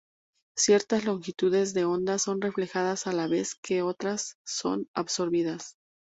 Ciertas longitudes de ondas son reflejadas a la vez que otras son absorbidas.